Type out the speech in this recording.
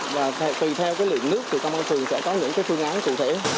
và tùy theo luyện nước thì tâm an phường sẽ có những phương án cụ thể